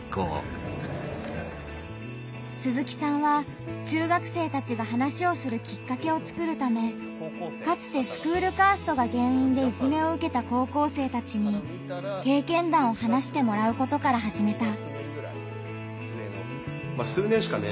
鈴木さんは中学生たちが話をするきっかけを作るためかつてスクールカーストが原因でいじめを受けた高校生たちに経験談を話してもらうことから始めた。